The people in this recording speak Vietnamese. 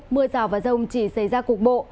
mưa rào và rông chỉ xảy ra cục bộ